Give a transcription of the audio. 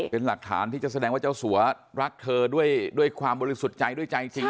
เป็นหลักฐานที่จะแสดงว่าเจ้าสัวรักเธอด้วยความบริสุทธิ์ใจด้วยใจจริง